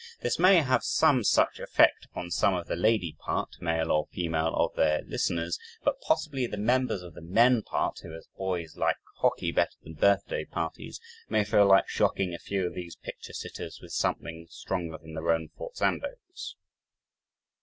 This may have some such effect upon some of the lady part (male or female) of their listeners but possibly the members of the men part, who as boys liked hockey better than birthday parties, may feel like shocking a few of these picture sitters with something stronger than their own forzandos.